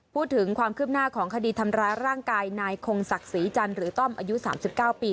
พูดถึงความคืบหน้าของคดีทำร้ายร่างกายนายคงศักดิ์ศรีจันทร์หรือต้อมอายุ๓๙ปี